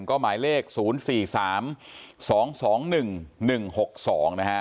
ก็หมายเลขศูนย์สี่สามสองสองหนึ่งหนึ่งหกสองนะฮะ